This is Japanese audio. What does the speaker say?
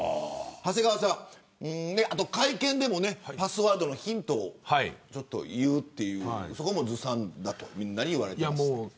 長谷川さん、会見でもパスワードのヒントを言うというそこもずさんだとみんなに言われています。